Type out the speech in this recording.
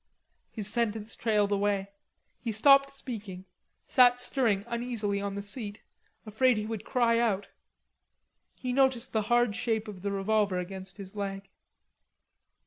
His sentence trailed away. He stopped speaking, sat stirring uneasily on the seat, afraid he would cry out. He noticed the hard shape of the revolver against his leg.